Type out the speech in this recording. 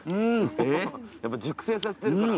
やっぱ熟成させてるから。